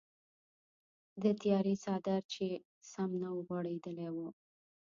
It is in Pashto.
د تیارې څادر چې سم نه وغوړیدلی و.